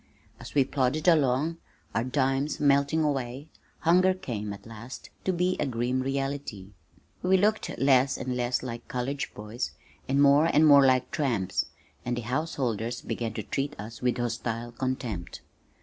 As we plodded along, our dimes melting away, hunger came, at last, to be a grim reality. We looked less and less like college boys and more and more like tramps, and the householders began to treat us with hostile contempt.